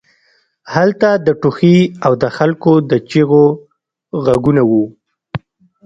هلته د ټوخي او د خلکو د چیغو غږونه وو